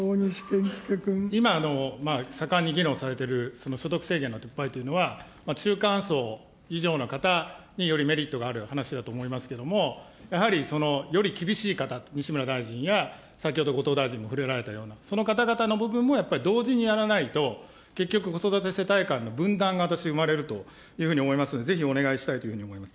今、盛んに議論されているその所得制限の撤廃というのは、中間層以上の方に、よりメリットがある話だと思いますけれども、やはりより厳しい方、西村大臣や先ほど、後藤大臣も触れられたような、その方々の部分も、同時にやらないと、結局、子育て世帯間の分断が私、生まれるというふうに思いますので、ぜひお願いしたいというふうに思います。